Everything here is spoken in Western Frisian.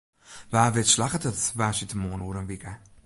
Wa wit slagget it woansdeitemoarn oer in wike.